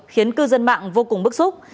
khiến cư dân mạng vô cùng bức xúc